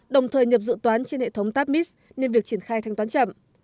đồng thời nhập dự toán trên hệ thống tapmis nên việc triển khai thanh toán chậm